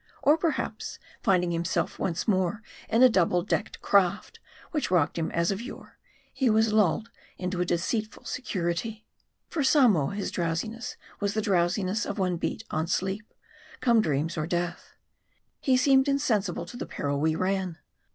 Or, perhaps, finding himself once more in a double decked craft, which rocked him as of yore, he was lulled into a deceitful security. For Samoa, his drowsiness was the drowsiness of one bent on sleep, come dreams or death. He seemed insensible to the peril we ran.